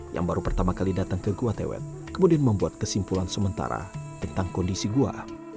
yang baru pertama kali datang ke gua tewet kemudian membuat kesimpulan sementara tentang kondisi gua